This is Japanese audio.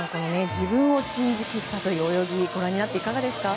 自分を信じ切ったという泳ぎご覧になっていかがですか？